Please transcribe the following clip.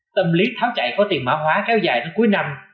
tâm lý tháo chạy có tiền mã hóa kéo dài đến cuối năm